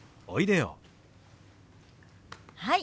はい！